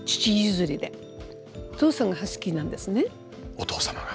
お父様が。